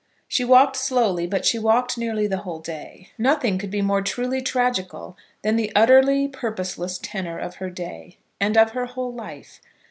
She walked slowly, but she walked nearly the whole day. Nothing could be more truly tragical than the utterly purposeless tenour of her day, and of her whole life.